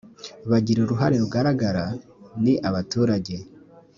bagiraga uruhare rugaragara ni abaturage